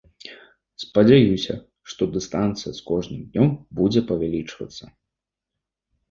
Спадзяюся, што дыстанцыя з кожным днём будзе павялічвацца.